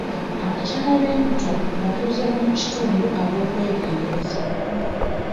Abakyala b'embuto batuuze b'omukitundu ab'okwegendereza.